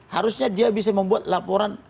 harusnya dia bisa membuat laporan